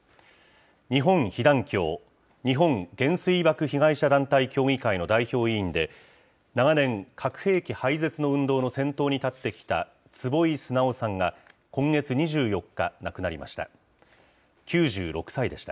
日本被団協・日本原水爆被害者団体協議会の代表委員で、長年、核兵器廃絶の運動の先頭に立ってきた坪井直さんが今月２４日、亡くなりました。